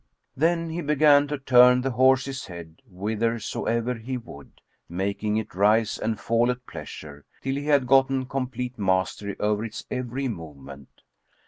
Then he began to turn the horse's head whithersoever he would, making it rise and fall at pleasure, till he had gotten complete mastery over its every movement.